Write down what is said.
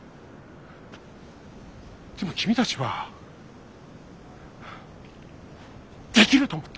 でも君たちは「できる」と思った。